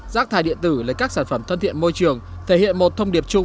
rác thải điện tử lấy các sản phẩm thân thiện môi trường thể hiện một thông điệp chung